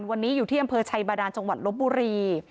วันนี้อยู่ที่อำเภอชัยบาดานจังหวัดลบบุรี